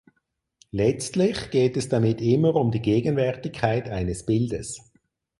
Letztlich geht es damit immer um die Gegenwärtigkeit eines Bildes.